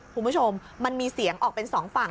คุณผู้ชมมันมีเสียงออกเป็นสองฝั่ง